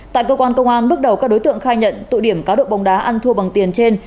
tại cơ quan công an bước đầu các đối tượng khai nhận tụ điểm cá độ bóng đá ăn thua bằng tiền trên